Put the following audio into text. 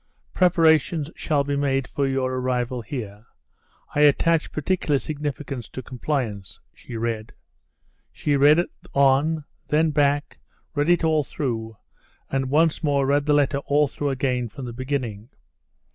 "Preparations shall be made for your arrival here ... I attach particular significance to compliance...." she read. She ran on, then back, read it all through, and once more read the letter all through again from the beginning.